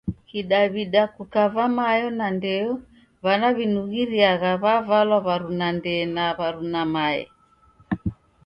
Kidaw'ida, kukava mayo na ndeyo w'ana w'inughiriagha w'avalwa w'aruna ndee na w'aruna mae.